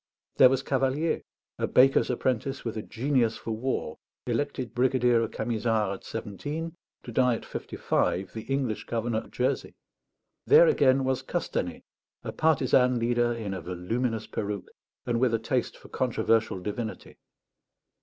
There was Cavalier, a baker's apprentice with a genius for war, elected brigadier of Camisards at seventeen, to die at fifty five the English Governor of Jersey. There again was Castanet, a partisan leader in a voluminous peruke and with a taste for controversial divinity.